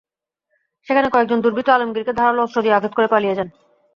সেখানে কয়েকজন দুর্বৃত্ত আলমগীরকে ধারালো অস্ত্র দিয়ে আঘাত করে পালিয়ে যান।